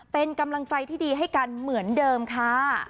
เป็นกำลังใจที่ดีให้กันเหมือนเดิมค่ะ